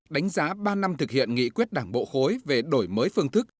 đánh giá ba năm thực hiện nghị quyết đảng bộ khối về đổi mới phương thức